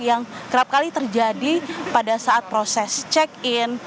yang kerap kali terjadi pada saat proses check in